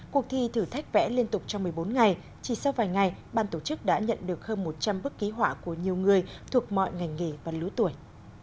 cuộc thi thử thách vẽ liên tục trong một mươi bốn ngày chỉ sau vài ngày ban tổ chức đã nhận được hơn một trăm linh bức ký họa của nhiều người thuộc mọi ngành nghề và lứa tuổi